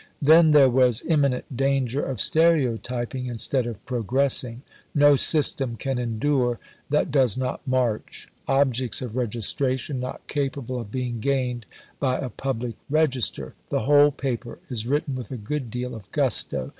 Then there was "imminent danger of stereotyping instead of progressing. No system can endure that does not march. Objects of registration not capable of being gained by a public register!" The whole paper is written with a good deal of gusto.